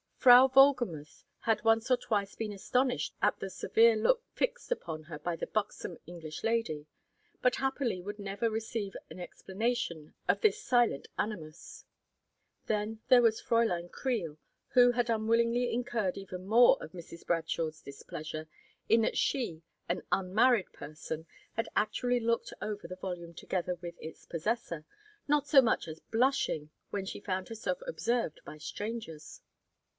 Frau Wohlgemuth had once or twice been astonished at the severe look fixed upon her by the buxom English lady, but happily would never receive an explanation of this silent animus. Then there was Fraulein Kriel, who had unwillingly incurred even more of Mrs. Bradshaw's displeasure, in that she, an unmarried person, had actually looked over the volume together with its possessor, not so much as blushing when she found herself observed by strangers.